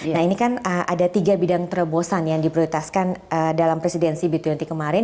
nah ini kan ada tiga bidang terobosan yang diprioritaskan dalam presidensi b dua puluh kemarin